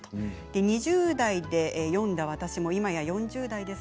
２０代で読んで私も今や４０代です。